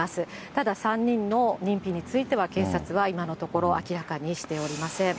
ただ、３人の認否については警察は今のところ、明らかにしておりません。